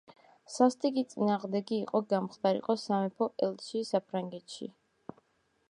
სასტიკი წინააღმდეგი იყო გამხდარიყო სამეფოს ელჩი საფრანგეთში.